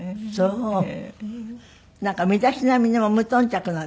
なんか身だしなみにも無頓着なんですって？